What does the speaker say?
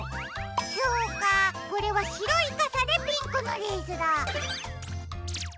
そうかこれはしろいかさでピンクのレースだ。